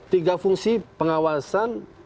tiga fungsi pengawasan